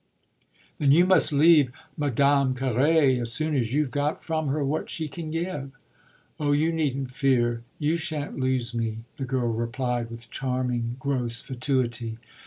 "Then you must leave Madame Carré as soon as you've got from her what she can give." "Oh, you needn't fear; you shan't lose me," the girl replied with charming gross fatuity.